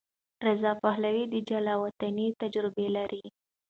رضا پهلوي د جلاوطنۍ تجربه لري.